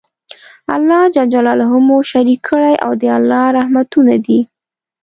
الله ج مو شريک کړی او د الله رحمتونه دي